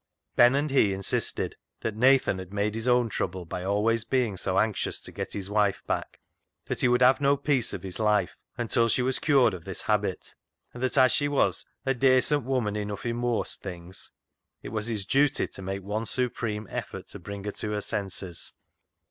Ben and he insisted that Nathan had made his own trouble by always being so anxious to get his wife back ; that he would have no peace of his life until she was cured of this habit, and that as she was " a dacent woman enough i' mooast things," it was his duty to make one supreme effort to bring her to her senses.